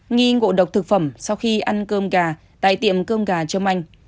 nghi ngộ độc thực phẩm sau khi ăn cơm gà tại tiệm cơm gà trâm anh